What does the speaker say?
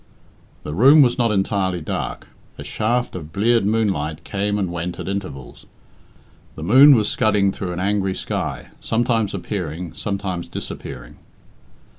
The room was not entirely dark. A shaft of bleared moonlight came and went at intervals. The moon was scudding through an angry sky, sometimes appearing, sometimes disappearing.